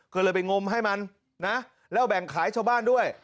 ก็เลยไปงมให้มันนะแล้วแบ่งขายชาวบ้านด้วย